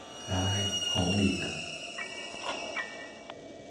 唉！可憐呀！